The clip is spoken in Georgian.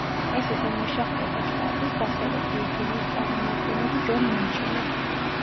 ეს იყო მეშახტეთა შტატის, დასავლეთ ვირჯინიის წარმომადგენელი ჯონ მენჩინი.